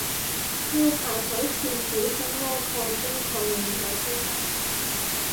要排隊填表等我蓋章確認咗先得